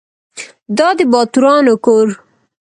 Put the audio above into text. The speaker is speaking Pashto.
دا د باتورانو کور .